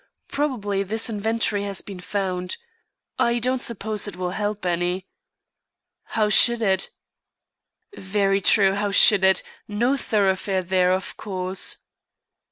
Probably this inventory has been found. I don't suppose it will help any." "How should it?" "Very true; how should it! No thoroughfare there, of course."